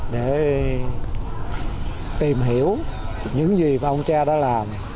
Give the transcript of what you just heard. để tìm hiểu những gì ông cha đã làm